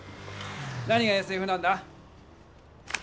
なにがＳＦなんだ？